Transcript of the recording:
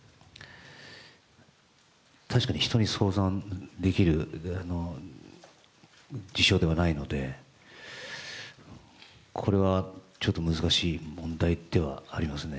確かに人に相談できる事象ではないのでこれはちょっと難しい問題ではありますね。